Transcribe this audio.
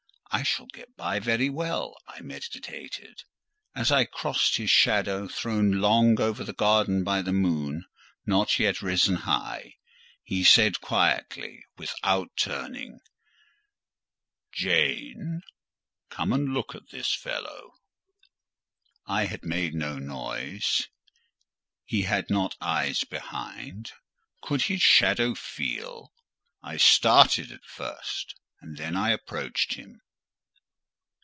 "I shall get by very well," I meditated. As I crossed his shadow, thrown long over the garden by the moon, not yet risen high, he said quietly, without turning— "Jane, come and look at this fellow." I had made no noise: he had not eyes behind—could his shadow feel? I started at first, and then I approached him.